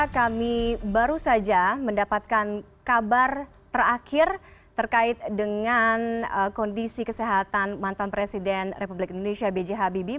kami baru saja mendapatkan kabar terakhir terkait dengan kondisi kesehatan mantan presiden republik indonesia b j habibie